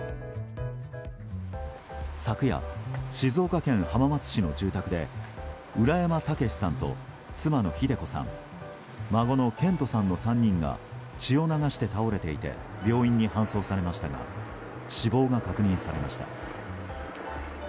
昨夜、静岡県浜松市の住宅で浦山毅さんと妻の秀子さん孫の健人さんの３人が血を流して倒れていて病院に搬送されましたが死亡が確認されました。